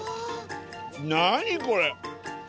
何これ！